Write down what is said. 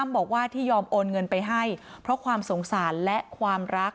บอกว่าที่ยอมโอนเงินไปให้เพราะความสงสารและความรัก